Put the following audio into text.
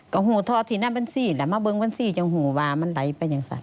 ก็หูทอทีน่ะบัญชีและมะเบิ้งบัญชีจังหูวามันไหลไปอย่างสัน